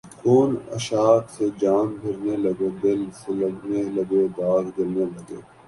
خون عشاق سے جام بھرنے لگے دل سلگنے لگے داغ جلنے لگے